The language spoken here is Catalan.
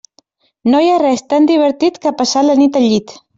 No hi ha res tan divertit que passar la nit al llit.